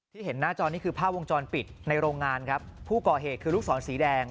เห็นหน้าจอนี่คือภาพวงจรปิดในโรงงานครับผู้ก่อเหตุคือลูกศรสีแดง